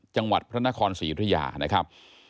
จังหวัดพระนครศรีอุทยานะครับ